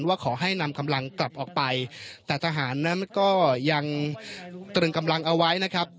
ว่าขอให้นำกำลังกลับออกไปแต่ทหารนั้นก็ยังตรึงกำลังเอาไว้นะครับ